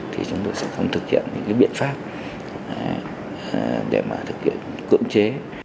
thì chúng tôi sẽ không thực hiện những biện pháp để mà thực hiện cưỡng chế